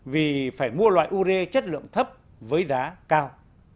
vì phải mua loại ure chất lượng thấp với giá cao